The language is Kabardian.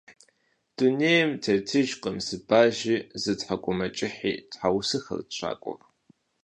Дунейм тетыжкъым зы бажи, зы тхьэкӀумэкӀыхьи! – тхьэусыхэрт щакӀуэр.